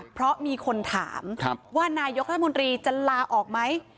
เพราะมีคนถามว่านายกรัฐมนตรีจะลาออกไหม